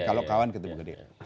kalau kawan ketemu gede